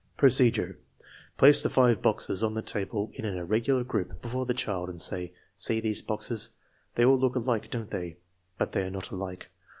Procedure. Place the five boxes on the table in an ir regular group before the child and say: " See these boxes. They all look alike, don't they? But they are not alike.